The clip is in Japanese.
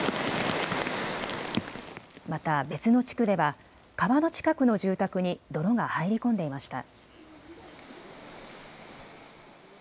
また別の地区では川の近くの住宅に泥が入り込んでいました。